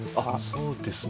そうですね